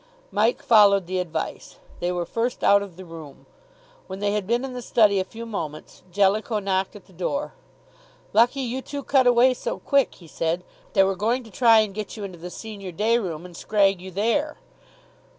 Mike followed the advice; they were first out of the room. When they had been in the study a few moments, Jellicoe knocked at the door. "Lucky you two cut away so quick," he said. "They were going to try and get you into the senior day room and scrag you there."